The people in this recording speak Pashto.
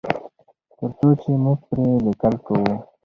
تر څو چې موږ پرې لیکل کوو.